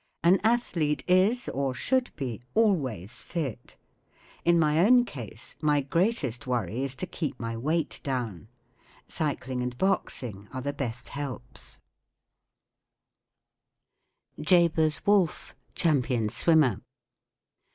An athlete is, or should be, always fit. In my own case my greatest worry is to keep my weight down* Cycling and boxing are the best helps* JABEZ WOLFFE. Champion Swimmer.